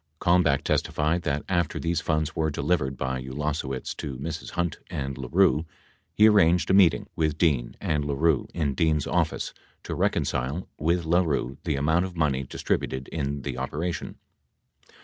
55 Kalmbach testified that, after these funds were delivered by Ulase wicz to Mrs. Hunt and LaRue, he arranged a meeting with Dean and LaRue in Dean's office to reconcile with LaRue the amount of money distributed in the operation.